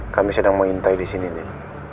kami sedang mengintai disini nin